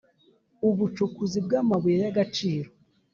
ubucukuzi bw’amabuye y’agaciro.